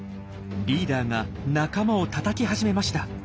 リーダーが仲間をたたき始めました。